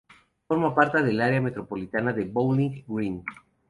Forma parte del área metropolitana de Bowling Green.